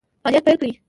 فعالیت پیل کړي.